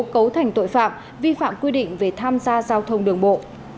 cấu thành tội phạm vi phạm quy định về tham gia giao thông đường bộ